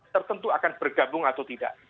tertentu akan bergabung atau tidak